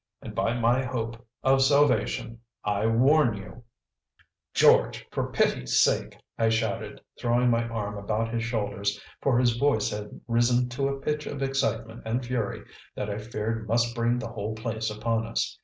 And by my hope of salvation I warn you " "George, for pity's sake!" I shouted, throwing my arm about his shoulders, for his voice had risen to a pitch of excitement and fury that I feared must bring the whole place upon us.